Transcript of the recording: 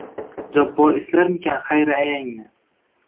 Jabbor eslarmikan Xayri ayaning